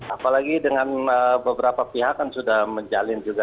apalagi dengan beberapa pihak kan sudah menjalin juga